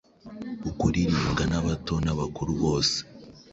Ukuririmbwa n’abato n’abakuru bose